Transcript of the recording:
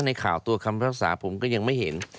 ในข่าวตัวคำภาษาผมก็ยังไม่เห็น